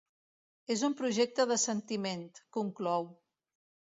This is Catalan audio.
“És un projecte de sentiment”, conclou.